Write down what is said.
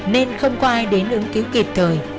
nên không có ai đến ứng cứu kịp thời